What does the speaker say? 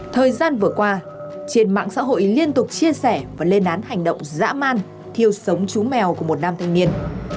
thời gian vừa qua trên mạng xã hội liên tục chia sẻ và lên án hành động dã man thiêu sống chú mèo của một nam thanh niên